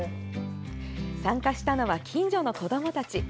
参加したのは近所の子どもたち。